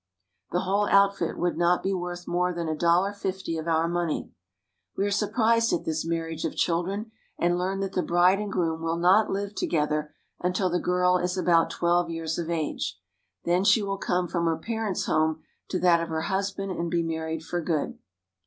The whole outfit would not be worth more than $1.50 of our^noney. We are surprised at this marriage of children, and learn that the bride and groom will not live together until the girl is about twelve years of age. Then she will come from her parents' home to that of her husband and be married for good.